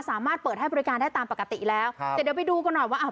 สามารถเปิดให้บริการได้ตามปกติแล้วครับแต่เดี๋ยวไปดูกันหน่อยว่าอ่า